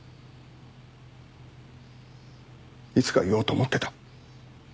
いつか言おうと思ってた。